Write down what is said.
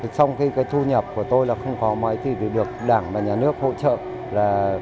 trong khi cái thu nhập của tôi là không có mấy thì được đảng và nhà nước hỗ trợ là